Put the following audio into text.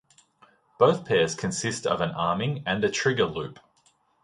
Both pairs consist of an 'arming' and a 'trigger' loop.